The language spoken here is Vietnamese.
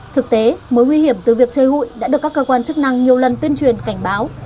thực tế mối nguy hiểm từ việc chơi hụi đã được các cơ quan chức năng nhiều lần tuyên truyền cảnh báo